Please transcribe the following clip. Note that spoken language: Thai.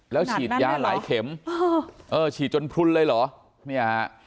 แล้วฉีดยาหลายเข็มฉีดจนพลุนเลยเหรอเนี่ยฮะ